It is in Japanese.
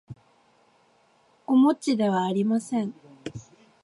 おもちではありません